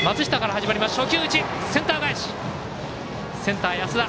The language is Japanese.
初球打ち、センター安田。